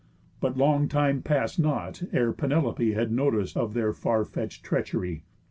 But long time past not, ere Penelope Had notice of their far fetch'd treachery.